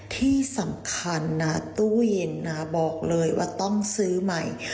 ที่สำคัญนะตู้เย็นนะบอกเลยว่าต้องซื้อใหม่